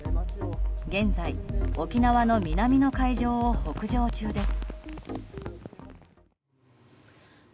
現在、沖縄の南の海上を北上中です。